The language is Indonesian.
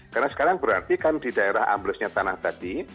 karena sekarang berarti kan di daerah amblesnya tanah tadi